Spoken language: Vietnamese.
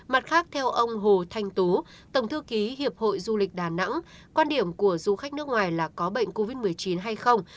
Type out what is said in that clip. mặt khác theo ông hồ thanh tú tổng thư ký hiệp hội du lịch đà nẵng quan điểm của du khách nước ngoài là có bệnh covid một mươi chín hay không